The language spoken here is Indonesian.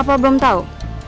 apa belum tahu